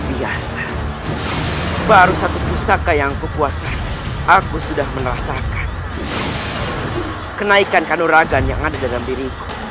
ibu unda akan menerasakan kenaikan kanuragan yang ada dalam diriku